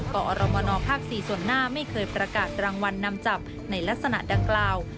กอรมนภ๔ส่วนหน้าไม่เคยประกาศรางวัลนำจับในลักษณะดังกล่าว